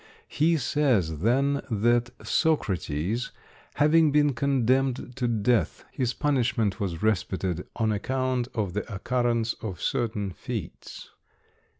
He says, then, that Socrates having been condemned to death, his punishment was respited on account of the occurrence of certain fêtes.